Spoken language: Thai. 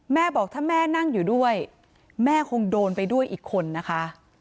บอกถ้าแม่นั่งอยู่ด้วยแม่คงโดนไปด้วยอีกคนนะคะ